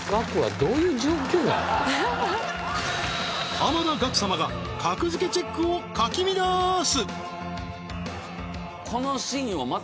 濱田岳様が格付けチェックを掻き乱す！